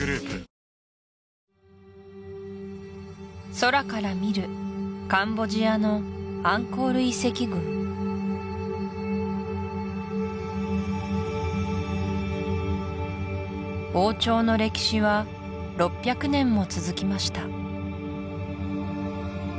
空から見るカンボジアのアンコール遺跡群王朝の歴史は６００年も続きました